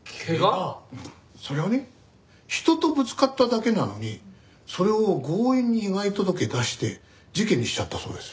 それがね人とぶつかっただけなのにそれを強引に被害届出して事件にしちゃったそうです。